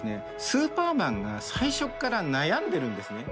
スーパーマンが最初っから悩んでるんですね。